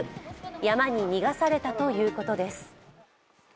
山に逃がされたということです。